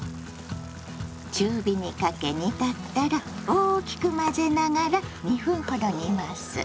中火にかけ煮立ったら大きく混ぜながら２分ほど煮ます。